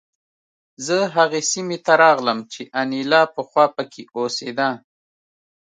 زه هغې سیمې ته راغلم چې انیلا پخوا پکې اوسېده